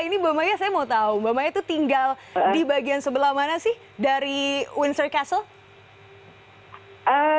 ini mbak maya saya mau tahu mbak maya itu tinggal di bagian sebelah mana sih dari windsor castle